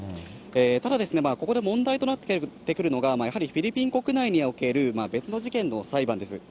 ただ、ここで問題となってくるのが、やはりフィリピン国内における別の事件の裁判です。